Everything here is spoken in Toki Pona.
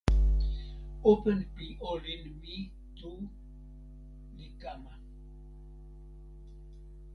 open pi olin mi tu li kama.